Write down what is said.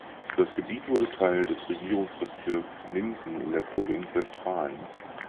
Das Gebiet wurde Teil des Regierungsbezirks Minden in der Provinz Westfalen.